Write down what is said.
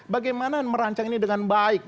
bagaimana merancang ini dengan baik